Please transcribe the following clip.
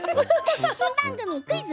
新番組「クイズ！